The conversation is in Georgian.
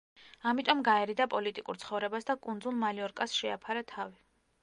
ამიტომ გაერიდა პოლიტიკურ ცხოვრებას და კუნძულ მალიორკას შეაფარა თავი.